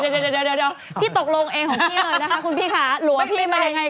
เดี๋ยวพี่ตกลงเองของพี่เลยนะคะคุณพี่ค่ะหลัวพี่มายังไง